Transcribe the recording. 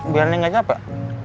biar neng gak capek